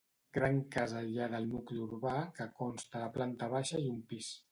Gran casa aïllada al nucli urbà que consta de planta baixa i un pis.